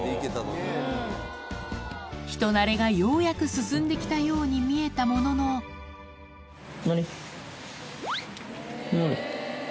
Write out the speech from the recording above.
人なれがようやく進んできたように見えたものののり。